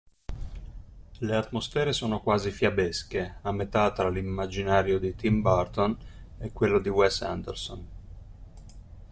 Le atmosfere sono quasi fiabesche, a metà tra l'immaginario di Tim Burton e quello di Wes Anderson.